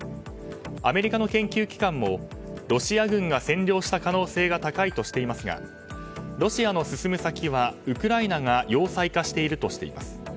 アメリカの研究機関もロシア軍が占領した可能性が高いとしていますがロシアの進む先はウクライナが要塞化しているとしています。